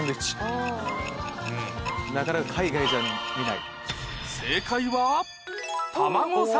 なかなか海外じゃ見ない。